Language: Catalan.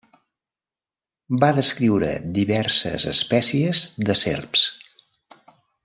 Va descriure diverses espècies de serps.